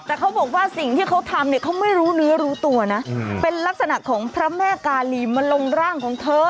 แต่เขาบอกว่าสิ่งที่เขาทำเนี่ยเขาไม่รู้เนื้อรู้ตัวนะเป็นลักษณะของพระแม่กาลีมาลงร่างของเธอ